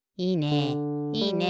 いいね！